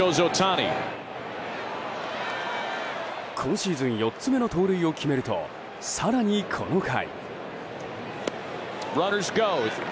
今シーズン４つ目の盗塁を決めると更に、この回。